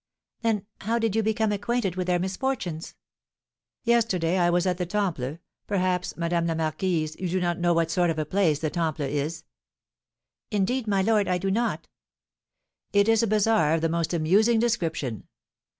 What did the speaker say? "Then how did you become acquainted with their misfortunes?" "Yesterday I was at the Temple, perhaps, Madame la Marquise, you do not know what sort of place the Temple is?" "Indeed, my lord, I do not." "It is a bazaar of the most amusing description.